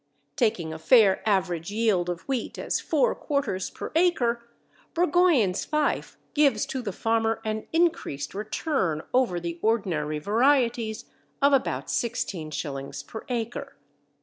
Taking a fair average yield of wheat as four quarters per acre, Burgoyne's Fife gives to the farmer an increased return over the ordinary varieties of about 16_s._ per acre.